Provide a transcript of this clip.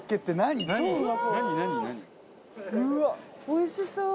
おいしそう！